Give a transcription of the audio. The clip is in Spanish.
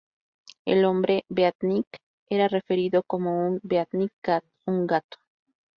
El hombre "beatnik" era referido como un "beatnik cat", un "gato".